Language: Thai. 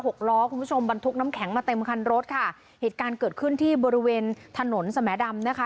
กล้อคุณผู้ชมบรรทุกน้ำแข็งมาเต็มคันรถค่ะเหตุการณ์เกิดขึ้นที่บริเวณถนนสมดำนะคะ